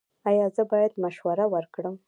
ایا زه باید مشوره ورکړم؟